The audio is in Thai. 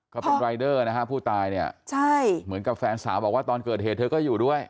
เขาเป็นรายเดอร์นะฮะผู้ตายเนี่ยใช่เหมือนกับแฟนสาวบอกว่าตอนเกิดเหตุเธอก็อยู่ด้วย